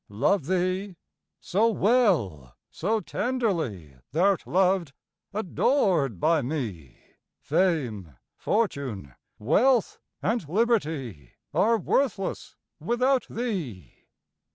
Love thee? so well, so tenderly, Thou'rt loved, adored by me, Fame, fortune, wealth, and liberty, Are worthless without thee.